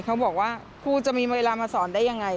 เขาบอกว่าครูจะมีเวลามาสอนได้ยังไง